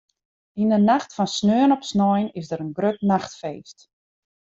Yn 'e nacht fan sneon op snein is der in grut nachtfeest.